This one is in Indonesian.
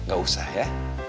gak usah ya